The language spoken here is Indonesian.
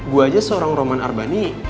gue aja seorang roman arbani